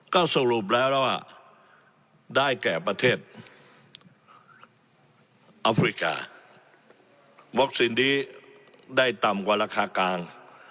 ก็สรุปแล้วได้แก่ประเทศอัฟริกาได้ต่ำกว่าราคากลาง